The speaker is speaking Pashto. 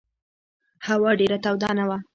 هوا ډېره توده نه وه.